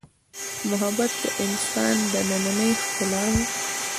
محبت د انسان دنننۍ ښکلا ده.